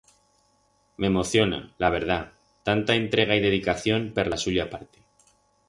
M'emociona, la verdat, tanta entrega y dedicación per la suya parte.